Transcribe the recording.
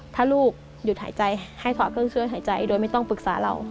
ถ้าลูกหยุดหายใจให้ถอดเครื่องช่วยหายใจโดยไม่ต้องปรึกษาเรา